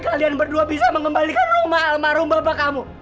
kemudian berdua bisa mengembalikan rumah almarhum babak kamu